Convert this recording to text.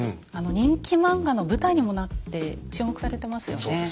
あの人気漫画の舞台にもなって注目されてますよね。